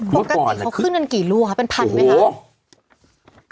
ปกติเขาขึ้นกันกี่ลูกคะเป็นพันไหมคะ